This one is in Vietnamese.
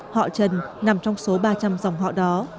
họ trần nằm trong số ba trăm linh dòng họ đó